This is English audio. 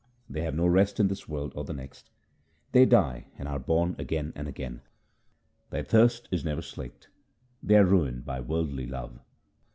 They have no rest in this world or the next ; they die and are born again and again. Their thirst is never slaked ; they are ruined by worldly love.